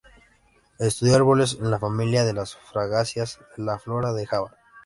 Estudió árboles de la familia de las fagáceas de la flora de Java.